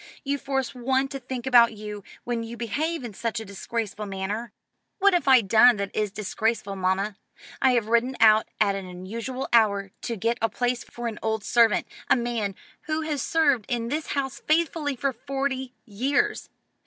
You force one to think about you, when you behave in such a disgraceful manner." "What have I done that is disgraceful, mamma? I have ridden out at an unusual hour to get a place for an old servant a man who has served in this house faithfully for forty years.